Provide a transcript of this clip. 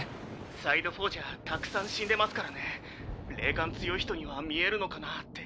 サイド４じゃたくさん死んでますからね霊感強い人には見えるのかなって。